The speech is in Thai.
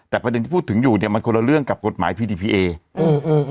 แต่ประเด็นที่พูดถึงอยู่เนี่ยมันคนละเรื่องกับกฎหมายพีดีพีเอ่อ